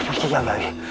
jangan pergi lagi